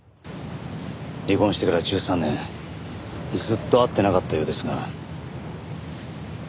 離婚してから１３年ずっと会ってなかったようですが。